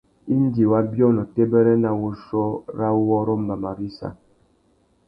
Indi wa biônô têbêrê na wuchiô râ uwôrrô mbama râ issa.